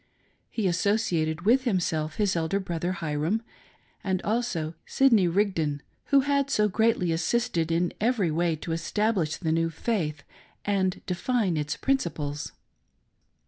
He associated with himself his elder brother, Hyrum, and also Sidney Rigdon, who had so greatly assisted in every way to establish the new faith and define its principles.